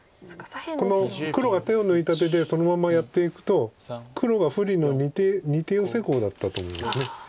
この黒が手を抜いた手でそのままやっていくと黒が不利の２手ヨセコウだったと思うんです。